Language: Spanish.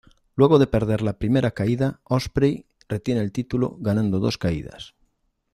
Luego de perder la primera caída, Ospreay retiene el título ganando dos caídas.